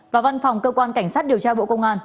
và văn phòng cơ quan cảnh sát điều tra bộ công an